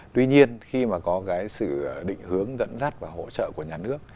tuy nhiên khi mà có cái sự định hướng dẫn dắt và hỗ trợ của nhà nước